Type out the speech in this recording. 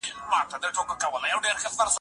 د خپلو شخصي ګناهونو